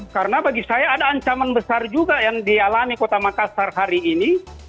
karena bagi saya ada ancaman besar juga yang dialami kota makassar hari ini